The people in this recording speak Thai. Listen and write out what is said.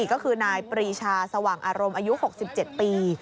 ก็คือนายปรีชาสว่างอารมณ์อายุ๖๗ปี